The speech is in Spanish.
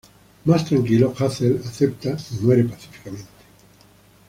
Más tranquilo, Hazel acepta y muere pacíficamente.